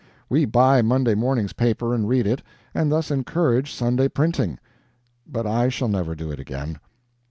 We buy Monday morning's paper and read it, and thus encourage Sunday printing. But I shall never do it again.